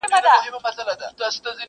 نمونې مي دي په كور كي د دامونو٫